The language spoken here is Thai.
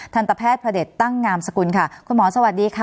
ทันตแพทย์พระเด็จตั้งงามสกุลค่ะคุณหมอสวัสดีค่ะ